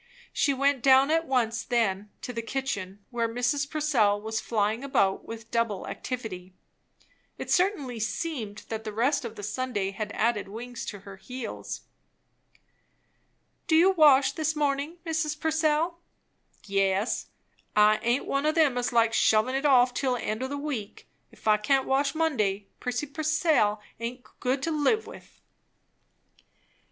She went down at once then to the kitchen, where Mrs. Purcell was flying about with double activity. It certainly seemed that the rest of the Sunday had added wings to her heels. "Do you wash this morning, Mrs. Purcell?" "Yes. I aint one o' them as likes shovin' it off till the end o' the week. If I can't wash Monday, Prissy Purcell aint good to live with."